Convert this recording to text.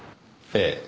ええ。